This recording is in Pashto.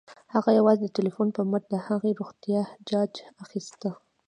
هغه یوازې د ټيليفون په مټ د هغې روغتيا جاج اخيسته